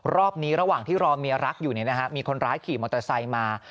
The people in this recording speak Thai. รอบนี้ระหว่างที่รอเมียรักอยู่มีคนร้ายขี่มอเตอร์ไซค์มา